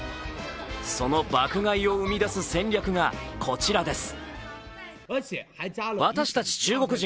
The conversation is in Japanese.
その爆買いを生み出す戦略がこちらです。